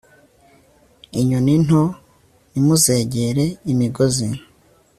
inyoni nto, nimuzegere imigozi